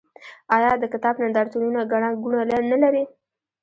آیا د کتاب نندارتونونه ګڼه ګوڼه نلري؟